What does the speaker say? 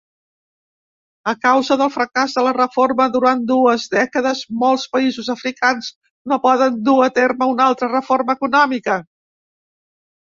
A causa del fracàs de la reforma durant dues dècades, molts països africans no poden dur a terme una altra reforma econòmica.